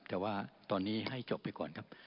แต่ว่าตอนนี้ให้จบไปก่อนครับ